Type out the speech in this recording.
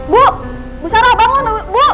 bu bu sarah bangun